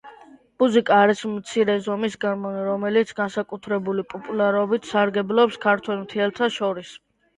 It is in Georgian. ბუზიკა არის მცირე ზომის გარმონი, რომელიც განსაკუთრებული პოპულარობით სარგებლობს ქართველ მთიელთა შორის.